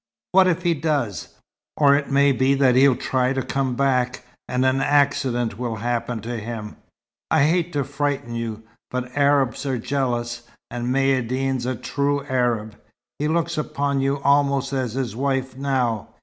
"What if he does? Or it may be that he'll try to come back, and an accident will happen to him. I hate to frighten you. But Arabs are jealous and Maïeddine's a true Arab. He looks upon you almost as his wife now.